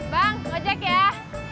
bang ojek ya